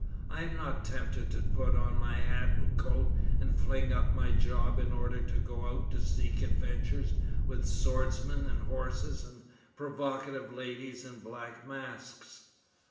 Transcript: I am not tempted to put on my hat and coat and fling up my job in order to go out to seek adventures with swordsmen and horses and provocative ladies in black masks.